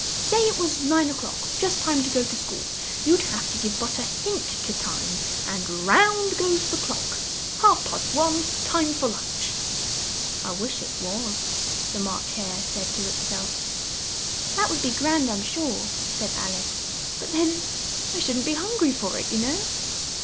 Say it was nine o'clock, just time to go to school; you'd have but to give a hint to Time, and round goes the clock! Half past one, time for lunch." "I wish it was," the March Hare said to it self. "That would be grand, I'm sure," said Al ice: "but then I shouldn't be hun gry for it, you know."